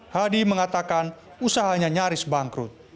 hadi mengatakan usahanya nyaris bangkrut